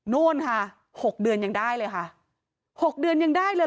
นู่นค่ะ๖เดือนยังได้เลยค่ะ๖เดือนยังได้เลย